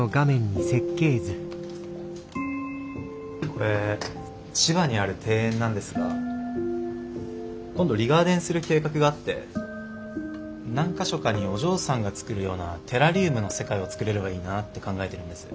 これ千葉にある庭園なんですが今度リガーデンする計画があって何か所かにお嬢さんが作るようなテラリウムの世界を作れればいいなって考えてるんです。